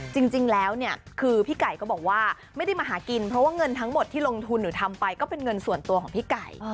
จริงแล้วเนี่ยคือพี่ไก่ก็บอกว่าไม่ได้มาหากินเพราะว่าเงินทั้งหมดที่ลงทุนหรือทำไปก็เป็นเงินส่วนตัวของพี่ไก่